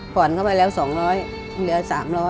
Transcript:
ก่อนเข้าไปแล้ว๒๐๐แล้ว๓๐๐